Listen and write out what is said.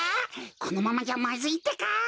このままじゃまずいってか！